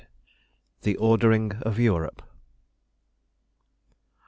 THE ORDERING OF EUROPE.